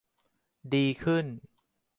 ดีขึ้น